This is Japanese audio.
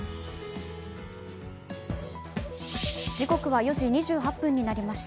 時刻は４時２８分になりました。